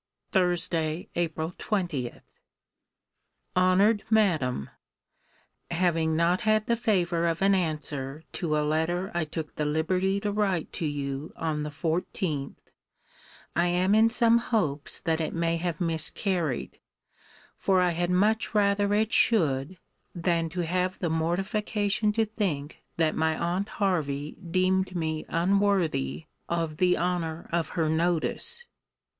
] THURSDAY, APRIL 20. HONOURED MADAM, Having not had the favour of an answer to a letter I took the liberty to write to you on the 14th, I am in some hopes that it may have miscarried: for I had much rather it should, than to have the mortification to think that my aunt Hervey deemed me unworthy of the honour of her notice.